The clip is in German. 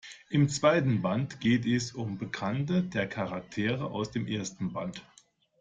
Im zweiten Band geht es um Bekannte der Charaktere aus dem ersten Band.